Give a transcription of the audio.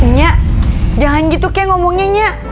nya jangan gitu kek ngomongnya nya